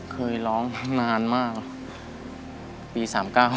เคยร้องนานมากปี๓๙๕